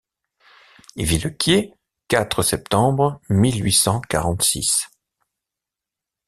Villequier, quatre septembre mille huit cent quarante-six.